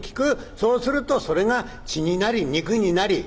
そうするとそれが血になり肉になり」。